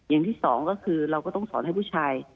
อย่างที่สองก็คือเราก็ต้องสอนให้ผู้ชาย